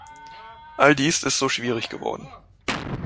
All dies ist so schwierig geworden.